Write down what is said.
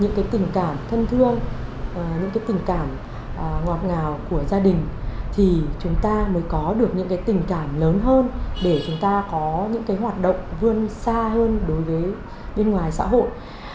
những cái tình cảm thân thương những cái tình cảm ngọt ngào của gia đình thì chúng ta mới có được những cái tình cảm lớn hơn để chúng ta có những cái hoạt động vươn xa hơn đối với bên ngoài xã hội